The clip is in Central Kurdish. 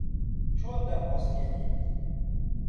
چۆن دەموەستێنیت؟